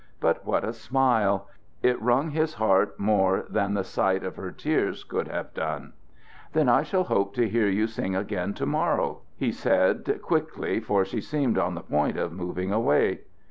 But what a smile! It wrung his heart more than the sight of her tears could have done. "Then I shall hope to hear you sing again to morrow," he said, quickly, for she seemed on the point of moving away.